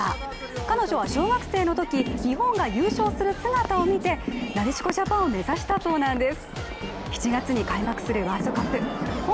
彼女は小学生のとき、日本が優勝する姿を見てなでしこジャパンを目指したそうなんです。